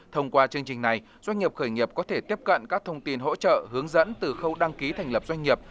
thông qua chương trình này doanh nghiệp khởi nghiệp có thể tiếp cận các thông tin hỗ trợ hướng dẫn từ khâu đăng ký thành lập doanh nghiệp